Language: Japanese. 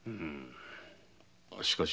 しかし。